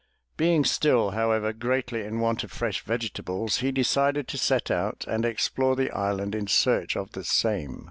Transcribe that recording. Being still, how ever, greatly in want of fresh vegetables, he decided to set out and explore the island in search of the same.